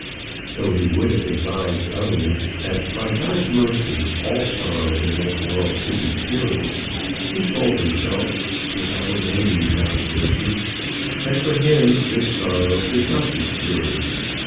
Though he would have advised others that by God's mercy all sorrows in this world could be cured, he told himself, without arraigning God's mercy, that for him this sorrow could not be cured.